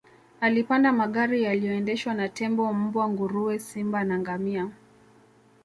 Alipanda magari yaliyoendeshwa na tembo mbwa nguruwe simba na ngamia